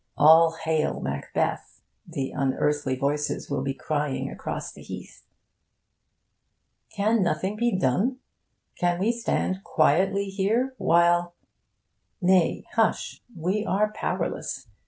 'All hail, Macbeth' the unearthly voices will be crying across the heath. Can nothing be done? Can we stand quietly here while... Nay, hush! We are powerless.